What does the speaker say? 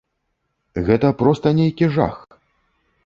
Гэта проста нейкі жах.